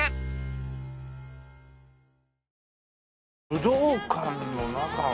武道館の中は。